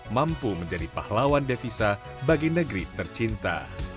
mampu menjadi pahlawan devisa bagi negeri tercinta